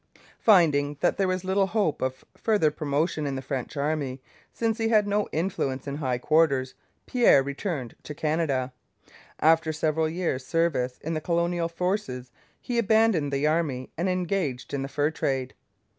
Finding that there was little hope of further promotion in the French army, since he had no influence in high quarters, Pierre returned to Canada. After several years' service in the colonial forces, he abandoned the army, and engaged in the fur trade.